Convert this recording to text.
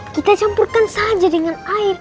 kita campurkan saja dengan air